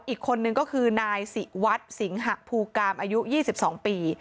อีกคนนึงก็คือนายศิวัฒน์สิงหะภูกามอายุ๒๒ปี